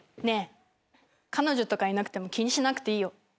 ねえ彼女とかいなくても気にしなくていいよ。